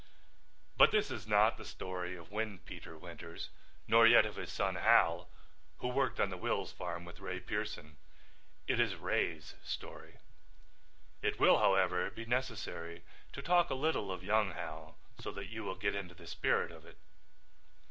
But this is not the story of Windpeter Winters nor yet of his son Hal who worked on the Wills farm with Ray Pearson. It is Ray's story. It will, however, be necessary to talk a little of young Hal so that you will get into the spirit of it.